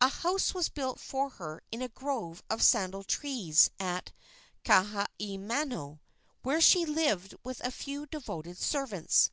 A house was built for her in a grove of sandal trees at Kahaiamano, where she lived with a few devoted servants.